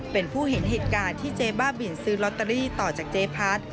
เป็นผู้เห็นเหตุการณ์ที่เจ๊บ้าบินซื้อลอตเตอรี่ต่อจากเจ๊พัด